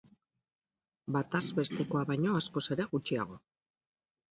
Bataz bestekoa baino askoz ere gutxiago.